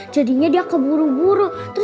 jadinya dia keburu buru